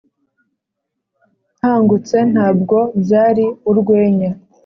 nkangutse, ntabwo byari urwenya